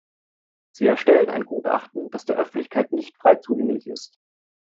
Sie erstellen ein Gutachten, das der Öffentlichkeit nicht frei zugänglich ist.